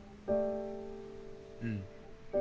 うん。